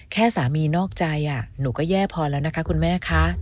แค่สามีนอกใจหนูก็แย่พอแล้วนะคะคุณแม่คะ